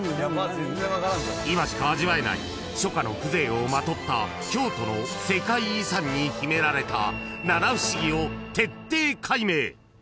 ［今しか味わえない初夏の風情をまとった京都の世界遺産に秘められた七不思議を徹底解明］